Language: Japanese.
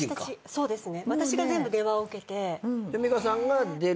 そうですね。